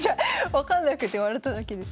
分かんなくて笑っただけです。